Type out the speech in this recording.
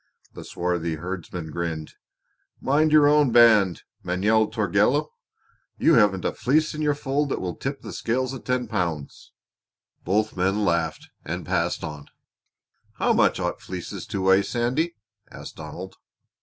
The swarthy herdsman grinned. "Mind your own band, Manuel Torquello! You haven't a fleece in your fold that will tip the scales at ten pounds." Both men laughed and passed on. "How much ought fleeces to weigh, Sandy?" asked Donald.